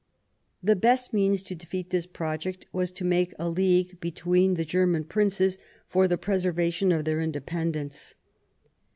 The best means to defeat this project was to make a league among the German princes for the preservation of their independence.